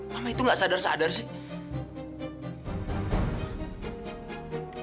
mama itu nggak sadar sadar sih